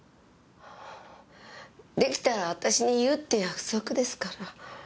できたら私に言うって約束ですから。